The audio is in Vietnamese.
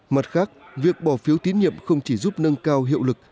mặt khác việc bỏ phiếu tín nhiệm không chỉ giúp nâng cao hiệu lực